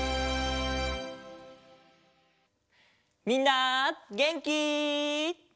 みんなげんき？